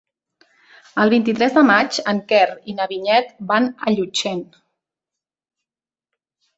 El vint-i-tres de maig en Quer i na Vinyet van a Llutxent.